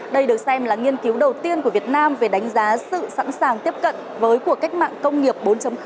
đây được xem là nghiên cứu đầu tiên của việt nam về đánh giá sự sẵn sàng tiếp cận với cuộc cách mạng công nghiệp bốn